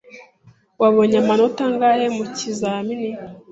Wabonye amanota angahe mu kizamini